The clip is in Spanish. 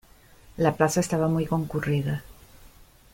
La plaza estaba muy concurrida